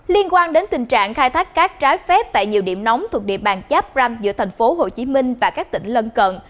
liên quan đến tình trạng khai thác cát trái phép tại nhiều điểm nóng thuộc địa bàn cháp răm giữa thành phố hồ chí minh và các tỉnh lân cận